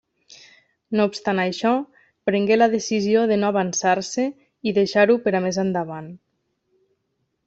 No obstant això, prengué la decisió de no avançar-se, i deixar-ho per a més endavant.